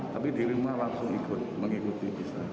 tapi di rumah langsung ikut mengikuti